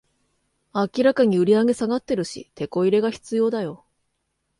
明らかに売上下がってるし、テコ入れが必要だよ